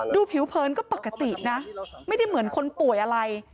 ดูผิวเผินก็ปกตินะไม่ได้เหมือนคนป่วยอะไร